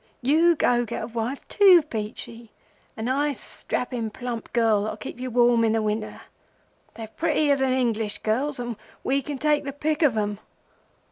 'You go get a wife too, Peachey—a nice, strappin', plump girl that'll keep you warm in the winter. They're prettier than English girls, and we can take the pick of 'em.